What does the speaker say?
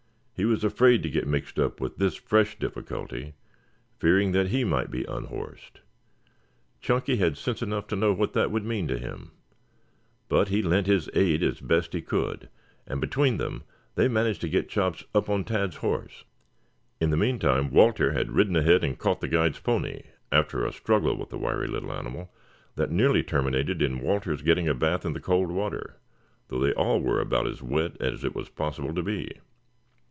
He was afraid to get mixed up with this fresh difficulty, fearing that he might be unhorsed. Chunky had sense enough to know what that would mean to him, but he lent his aid as best he could, and between them they managed to get Chops up on Tad's horse. In the meantime Walter had ridden ahead and caught the guide's pony after a struggle with the wiry little animal that nearly terminated in Walter's getting a bath in the cold water, though they all were about as wet as it was possible to be.